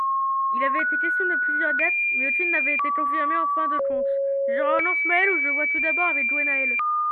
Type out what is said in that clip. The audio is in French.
Il avait été question de plusieurs dates mais aucune n'avait été confirmée en fin de compte, je relance Mael ou je vois tout d'abord avec Gwennael ?